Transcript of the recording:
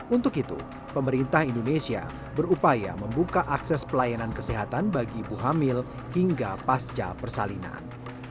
untuk itu pemerintah indonesia berupaya membuka akses pelayanan kesehatan bagi ibu hamil hingga pasca persalinan